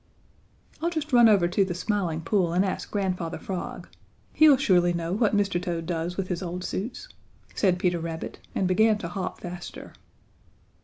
"I'll just run over to the Smiling Pool and ask Grandfather Frog. He'll surely know what Mr. Toad does with his old suits," said Peter Rabbit, and began to hop faster.